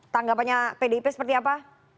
tanggapannya pdip seperti apa